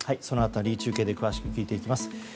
その辺り中継で詳しく聞いていきます。